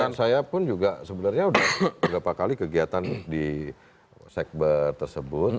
menurut saya pun juga sebenarnya udah beberapa kali kegiatan di sekber tersebut